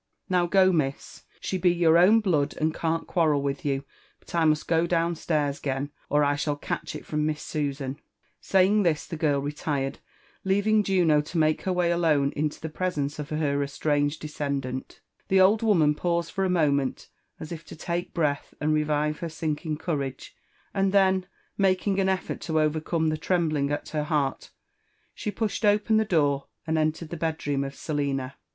JONATHAN JEFFER80N WHITLAW. 247 '' Mow gov mm.'f^^AB be yoitf &wn btood and can't ^^otrvrt Hid ro& ; btti I mu8t go dowo stairs 'gen, or I shall cateh it from Mm SusaD/ Sayiog this, tbe giil retirddvleayiDg Juno to make her way alone into the presence of her estraaged descendant. The old womaft paused fov a moment as if to take breath and revire her sinkiag eoorage, and then, making an effort to overcome the. tfemblingat her heart, she pushed open the door and entered the bed^ room ofSelina.